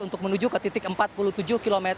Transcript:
untuk menuju ke titik empat puluh tujuh km